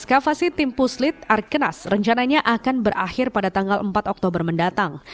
eskavasi tim puslit arkenas rencananya akan berakhir pada tanggal empat oktober mendatang